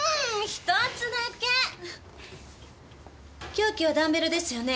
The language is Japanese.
凶器はダンベルですよね？